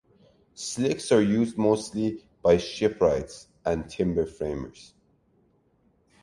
Slicks are used mostly by shipwrights and timber framers.